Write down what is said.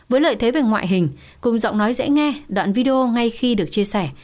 với lợi thế về ngoại hình cùng giọng nói dễ nghe đoạn video ngay khi được chia sẻ